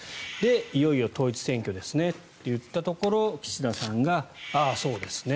いよいよ統一選挙ですねと言ったところ岸田さんがああ、そうですね。